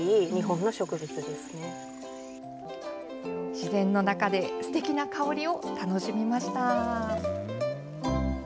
自然の中で、すてきな香りを楽しみました。